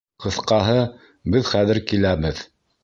Ҡыҫҡаһы, беҙ хәҙер киләбеҙ.